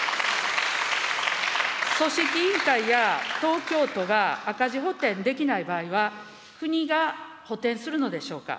組織委員会や東京都が赤字補填できない場合は、国が補填するのでしょうか。